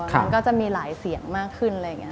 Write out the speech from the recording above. มันก็จะมีหลายเสียงมากขึ้นอะไรอย่างนี้